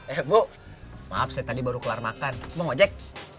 eh bu maaf saya tadi baru keluar makan bu ngojek